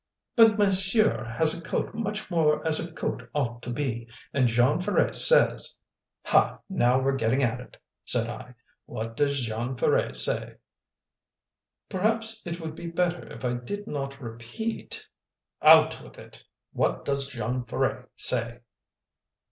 "But monsieur has a coat much more as a coat ought to be. And Jean Ferret says " "Ha, now we're getting at it!" said I. "What does Jean Ferret say?" "Perhaps it would be better if I did not repeat " "Out with it! What does Jean Ferret say?"